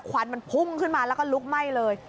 ควันมันพุ่งขึ้นมาแล้วก็ลุกไหม้เลย